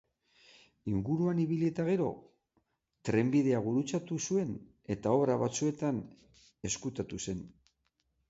Inguruan ibili eta gero, trenbidea gurutzatu zuen eta obra batzuetan ezkutatu zen.